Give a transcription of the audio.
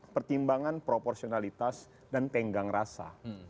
pertimbangan proporsionalitas dan tenggang rasa